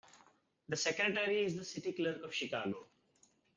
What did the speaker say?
The secretary is the City Clerk of Chicago.